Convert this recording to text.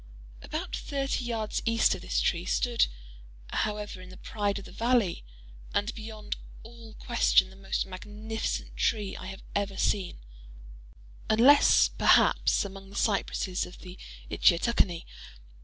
About thirty yards east of this tree stood, however, the pride of the valley, and beyond all question the most magnificent tree I have ever seen, unless, perhaps, among the cypresses of the Itchiatuckanee.